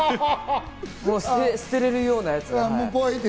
捨てられるようなやつを。